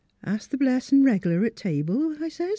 ' Ask the Blessin' reg'lar at th' table? ' I sez.